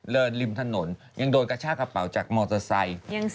ริมถนนยังโดนกระชากระเป๋าจากมอเตอร์ไซค์